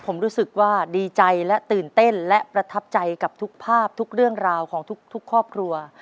ผมรู้สึกว่าดีใจและตื่นเต้นและประทับใจกับทุกภาพทุกเรื่องราวของทุกครอบครัว